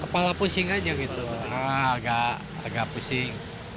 kepala pusing aja gitu agak pusing